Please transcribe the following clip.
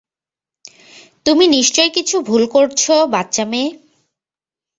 তুমি নিশ্চয়ই কিছু ভুল করছো, বাচ্চা মেয়ে।